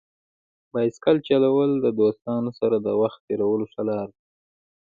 بایسکل چلول د دوستانو سره د وخت تېرولو ښه لار ده.